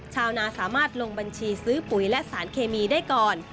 ชาวนาสามารถลงบัญชีซื้อปุ๋ยและสารเคมีได้ก่อน